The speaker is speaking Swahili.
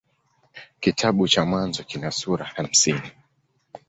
Kitabu cha Mwanzo kina sura hamsini.